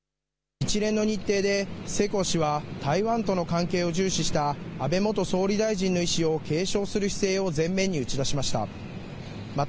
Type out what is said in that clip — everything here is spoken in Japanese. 一連の日程で世耕氏は台湾との関係を重視した安倍元総理大臣の遺志を継承する姿勢を前面に打ち出しました。